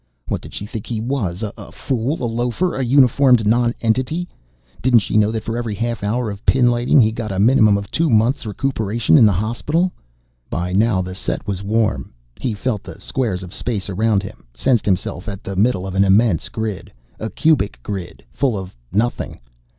What did she think he was a fool, a loafer, a uniformed nonentity? Didn't she know that for every half hour of pinlighting, he got a minimum of two months' recuperation in the hospital? By now the set was warm. He felt the squares of space around him, sensed himself at the middle of an immense grid, a cubic grid, full of nothing.